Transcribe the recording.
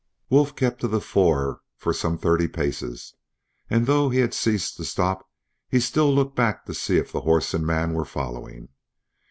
Wolf kept to the fore for some thirty paces, and though he had ceased to stop, he still looked back to see if the horse and man were following.